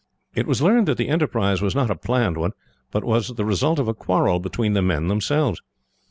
It was learned that the enterprise was not a planned one, but was the result of a quarrel between the men, themselves.